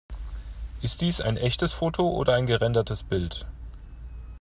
Ist dies ein echtes Foto oder ein gerendertes Bild?